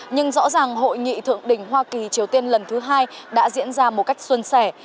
nhưng rõ ràng hội nghị thượng đỉnh hoa kỳ triều tiên lần thứ hai đã diễn ra một cách xuân sẻ